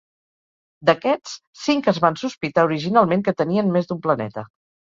D'aquests, cinc es van sospitar originalment que tenien més d'un planeta.